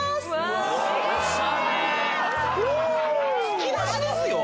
突き出しですよ？